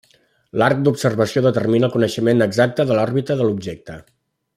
L'arc d'observació determina el coneixement exacte de l'òrbita de l'objecte.